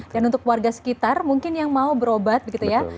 dan untuk warga sekitar mungkin yang mau berobat begitu ya